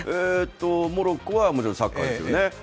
モロッコはもちろんサッカーですよね。